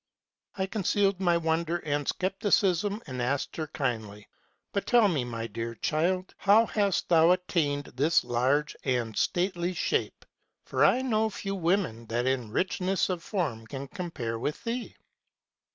" I concealed my wonder and scepticism, and asked her kindly, k But tell me, my dear child, how hast thou attained this large and stately shape? For I know few women that in richness of form can compare with thee.'